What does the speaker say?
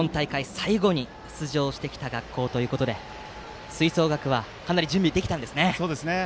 最後に出場してきた学校ということで吹奏楽はかなり準備できたんですね。